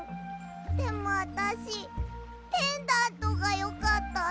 でもあたしペンダントがよかったの。